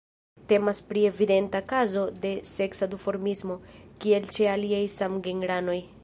Temas pri evidenta kazo de seksa duformismo, kiel ĉe aliaj samgenranoj.